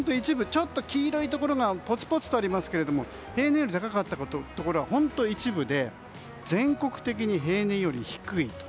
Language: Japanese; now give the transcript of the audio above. ちょっと黄色いところがぽつぽつとありますが平年より高かったところは本当に一部で全国的に平年より低い。